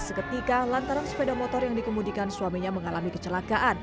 seketika lantaran sepeda motor yang dikemudikan suaminya mengalami kecelakaan